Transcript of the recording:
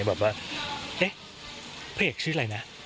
แบบว่าเอ๊ะพระเอกชื่ออะไรนะ